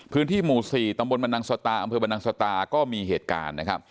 พื้นที่หมู่๔ตำบลบรรนังสตาอำเภอบรรนังสตาก็มีเหตุการณ์นะครับ